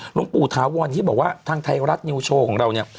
หลวงปู่ถาวรที่บอกว่าทางไทยรัฐนิวโชว์ของเราเนี่ย